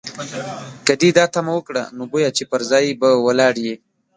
که دې دا تمه وکړه، نو بویه چې پر ځای به ولاړ یې.